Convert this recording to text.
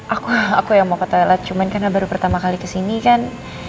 aku aku yang mau ke toilet cuman karena baru pertama kali kesini kan